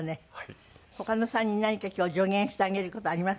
他の３人何か今日助言してあげる事あります？